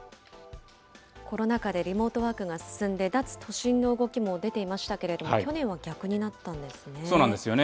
コロナ禍でリモートワークが進んで、脱都心の動きも出ていましたけれども、去年は逆になったんですね。